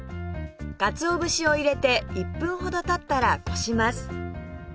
かつお節を入れて１分ほど経ったらこします